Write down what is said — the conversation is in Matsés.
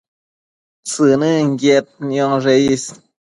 tsënënquied nioshe is